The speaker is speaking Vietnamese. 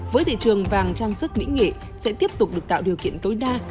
với thị trường vàng trang sức mỹ nghệ sẽ tiếp tục được tạo điều kiện tối đa